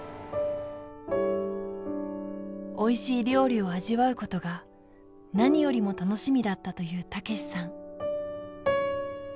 おいしい料理を味わうことが何よりも楽しみだったという武さん。